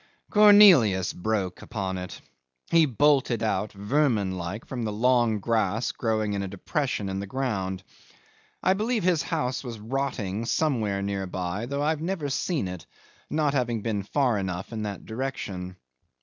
'Cornelius broke upon it. He bolted out, vermin like, from the long grass growing in a depression of the ground. I believe his house was rotting somewhere near by, though I've never seen it, not having been far enough in that direction.